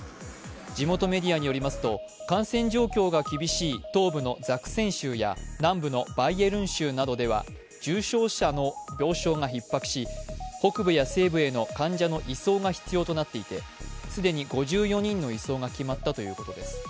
地元メディアによりますと、感染状況が厳しい東部のザクセン州や南部のバイエルン州などでは重症者の病床がひっ迫し北部や西部への患者の移送が必要となっていて既に５４人の移送が決まったということです。